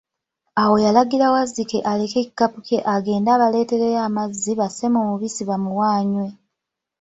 Awo yalagira Wazzike aleke ekikapu kye agende abaleetereyo amazzi basse mu mubisi bamuwe anywe.